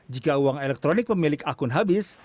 jika uang elektronik pemilik akun habis